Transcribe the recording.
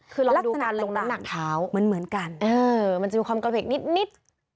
คือลองดูการลงน้ำหนักเท้ามันเหมือนกันมันจะมีความกระเพกนิด